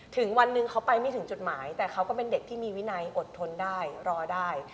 ถึงวันหนึ่งเขาไปไม่ถึงจุดหมายแต่เขาก็เป็นเด็กที่มีวินัยอดทนได้รอได้